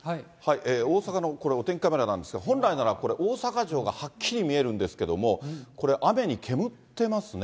大阪のこれ、お天気カメラなんですが、本来なら、大阪城がはっきり見えるんですけれども、これ、雨に煙ってますね。